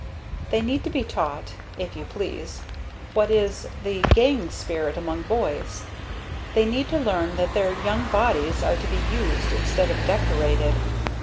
They need to be taught, if you please, what is the "gang" spirit among boys. They need to learn that their young bodies are to be used, instead of decorated.